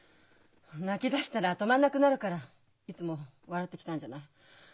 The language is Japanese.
泣きだしたら止まんなくなるからいつも笑ってきたんじゃない。